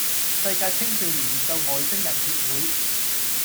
世界青少年研究外星人協會